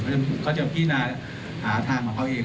เพราะฉะนั้นเขาจะพินาหาทางของเขาเอง